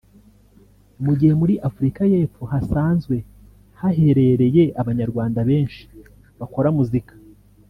Mu gihe muri Afrika y’epfo hasanzwe haherereye abanyarwanda benshi bakora muzika